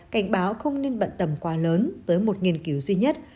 cảnh báo không nên bận tầm quá lớn tới một nghiên cứu duy nhất